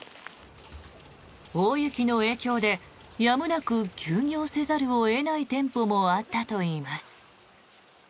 大雪の影響でやむなく休業せざるを得ない店舗もあったといいます。